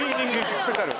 スペシャル。